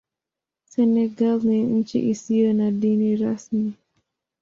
Senegal ni nchi isiyo na dini rasmi.